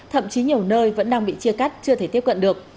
thậm chí nhiều nơi vẫn đang bị chia cắt chưa thể tiếp cận được